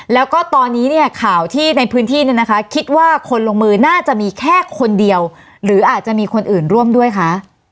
แล้วก็ตอนนี้เนี่ยข่าวที่ในพื้นที่เนี่ยนะคะคิดว่าคนลงมือน่าจะมีแค่คนเดียวหรืออาจจะมีคนอื่นร่วมด้วยคะ